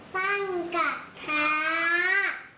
ตั้งกระท้า